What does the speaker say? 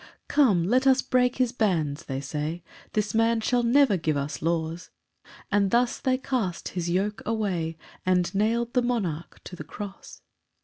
2 "Come, let us break his bands," they say, "This man shall never give us laws ;" And thus they cast his yoke away, And nail'd the monarch to the cross.